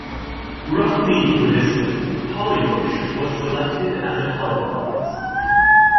Roughly equidistant, Hollybush was selected as a compromise.